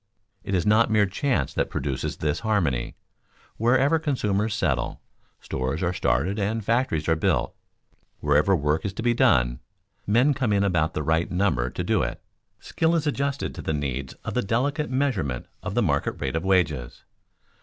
It is not mere chance that produces this harmony. Wherever consumers settle, stores are started and factories are built. Wherever work is to be done, men come in about the right number to do it. Skill is adjusted to needs by the delicate measurement of the market rate of wages.